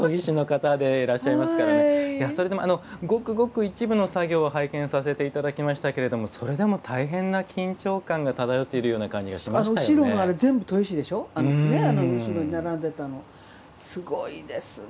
ごくごく一部の作業を拝見させていただきましたがそれでも大変な緊張感が漂っている感じがしましたね。